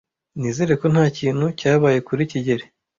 Nizere ko ntakintu cyabaye kuri kigeli.